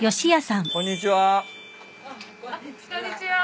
こんにちは。